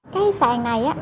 cái sàn này á